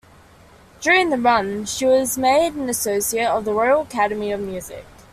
During the run, she was made an Associate of the Royal Academy of Music.